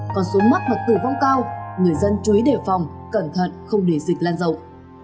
còn số mắc hoặc tử vong cao người dân chú ý đề phòng cẩn thận không để dịch lan rộng